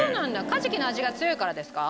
カジキの味が強いからですか？